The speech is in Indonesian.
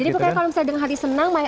jadi kalau misalnya dengan hati senang